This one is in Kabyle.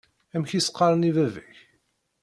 Amek i s-qqaṛen i baba-k?